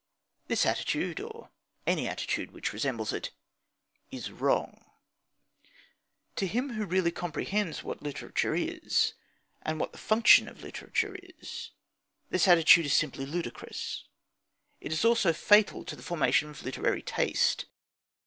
This attitude, or any attitude which resembles it, is wrong. To him who really comprehends what literature is, and what the function of literature is, this attitude is simply ludicrous. It is also fatal to the formation of literary taste.